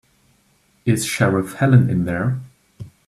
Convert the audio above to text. Is Sheriff Helen in there?